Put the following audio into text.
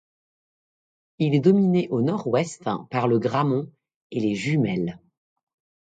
Il est dominé au nord-ouest par le Grammont et Les Jumelles.